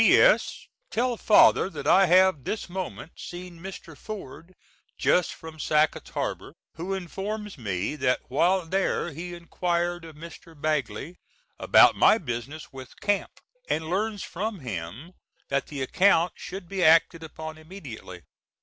P.S. Tell father that I have this moment seen Mr. Ford, just from Sacketts Harbor, who informs me that while there he enquired of Mr. Bagley about my business with Camp, and learns from him that the account should be acted upon immediately.